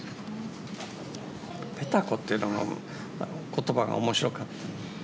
「ペタコ」っていう言葉が面白かった。